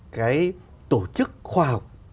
cái tổ chức khoa học